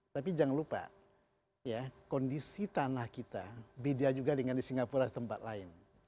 tapi jangan lupa kondisi tanah kita beda juga dengan di singapura di tempat lain